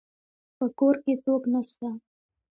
په کور کي څوک نسته